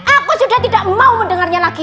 aku sudah tidak mau mendengarnya lagi